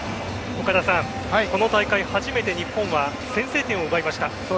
岡田さん、この大会初めて日本は先制点を奪いました。